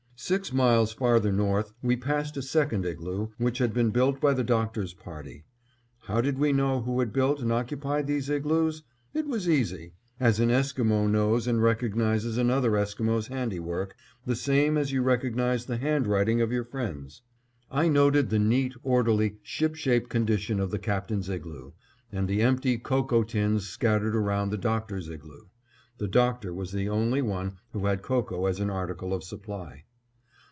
Six miles farther north, we passed a second igloo, which had been built by the Doctor's party. How did we know who had built and occupied these igloos? It was easy, as an Esquimo knows and recognizes another Esquimo's handwork, the same as you recognize the handwriting of your friends. I noted the neat, orderly, shipshape condition of the Captain's igloo, and the empty cocoa tins scattered around the Doctor's igloo. The Doctor was the only one who had cocoa as an article of supply.